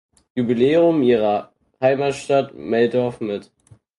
Jubiläum ihrer Heimatstadt Meldorf mit.